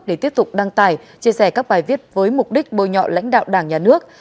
để tiếp tục đăng tải chia sẻ các bài viết với mục đích bôi nhọ lãnh đạo đảng nhà nước